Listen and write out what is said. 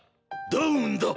ダウンだ。